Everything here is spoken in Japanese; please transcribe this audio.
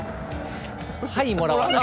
はいもらわない。